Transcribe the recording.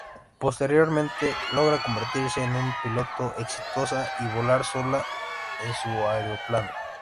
Posteriormente logra convertirse en una piloto exitosa y volar sola en su aeroplano.